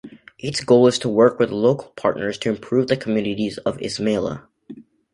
Its goal is to work with local partners to improve the communities in Ismailia.